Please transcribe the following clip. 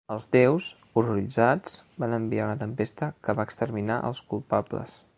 Els déus, horroritzats, van enviar una tempesta que va exterminar els culpables.